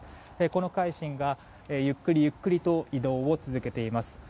この「海進」がゆっくりと移動を続けています。